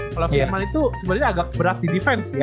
kalau vnm itu sebenarnya agak berat di defense ya